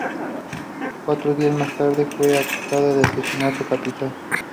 Cuatro días más tarde, fue acusada de asesinato capital.